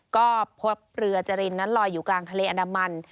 ก็พบเรือจรินนั้นลอยอยู่กลางทะเลอันดามัน